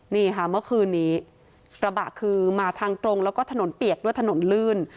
นี่ค่ะเมื่อคืนนี้กระบะคือมาทางตรงแล้วก็ถนนเปียกด้วยถนนลื่น